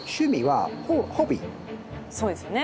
そうですよね。